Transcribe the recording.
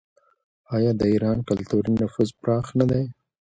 آیا د ایران کلتوري نفوذ پراخ نه دی؟